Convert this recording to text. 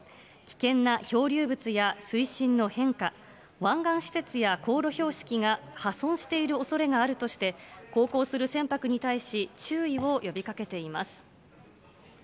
危険な漂流物や水深の変化、湾岸施設や航路標識が破損しているおそれがあるとして、航行する船舶に対し、注意を呼びかけています。